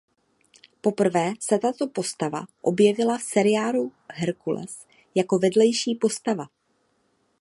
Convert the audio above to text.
Poprvé se tato postava objevila v seriálu Herkules jako vedlejší postava.